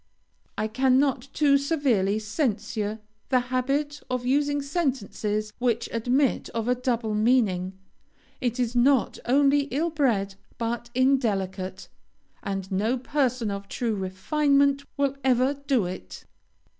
I cannot too severely censure the habit of using sentences which admit of a double meaning. It is not only ill bred, but indelicate, and no person of true refinement will ever do it.